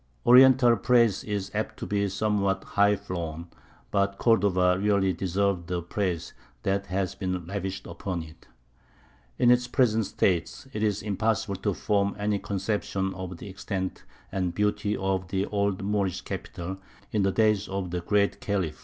" Oriental praise is apt to be somewhat high flown; but Cordova really deserved the praise that has been lavished upon it. In its present state it is impossible to form any conception of the extent and beauty of the old Moorish capital in the days of the Great Khalif.